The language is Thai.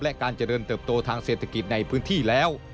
และการเจริญเติบโตทางเศรษฐกิจในพื้นที่แล้ว